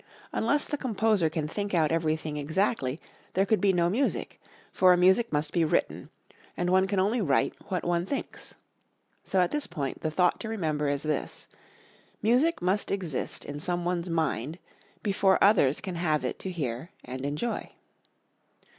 Unless the composer can think out everything exactly there could be no music, for music must be written, and one can only write what one thinks. So at this point the thought to remember is this: Music must exist in some one's mind before others can have it to hear and enjoy.